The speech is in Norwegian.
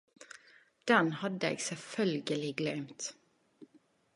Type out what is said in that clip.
Den hadde eg selvfølgeleg gløymt.